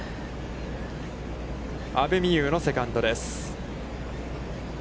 阿部未悠のセカンドです。